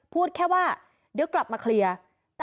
พูดแค่ว่าเดี๋ยวกลับมาเคลียร์